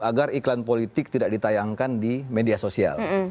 agar iklan politik tidak ditayangkan di media sosial